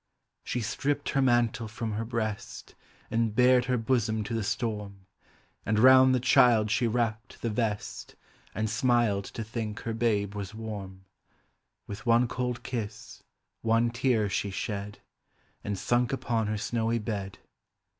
She stripped her mantle from her breast, And bared her bosom to the storm. And round the child she wrapped the vest, And smiled to think her babe was warm. With one cold kiss, one tear she shed, And sunk upon her snowy bed.